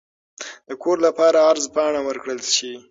د کور لپاره عرض پاڼه ورکړل شي.